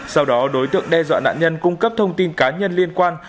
sau đó đối tượng đe dọa nạn nhân cung cấp thông tin cá nhân liên quan